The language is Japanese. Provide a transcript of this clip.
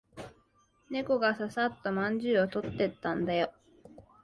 猫がささっとまんじゅうを取ってったんだよ。